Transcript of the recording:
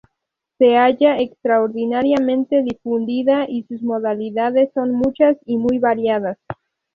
Se halla extraordinariamente difundida y sus modalidades son muchas y muy variadas.